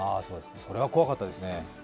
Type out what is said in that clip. それは怖かったですね。